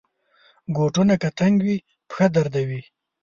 بوټونه که تنګ وي، پښه دردوي.